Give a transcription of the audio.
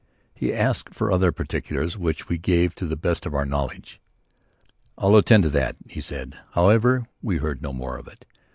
He asked for other particulars which we gave to the best of our knowledge. "I'll attend to that," he said. However, we heard no more of it.